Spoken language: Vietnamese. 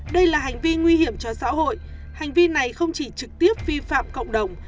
đây là hành vi nguy hiểm cho xã hội hành vi này không chỉ trực tiếp vi phạm cộng đồng